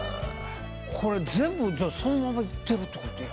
これ全部じゃあそのままいってるってことや。